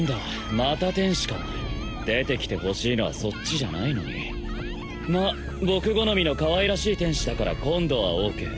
また天使か出てきてほしいのはそっちじゃないのにまっ僕好みのかわいらしい天使だから今度はＯＫ